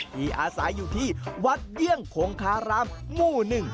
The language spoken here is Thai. ที่อาศัยอยู่ที่วัดเยี่ยงคงคารามหมู่๑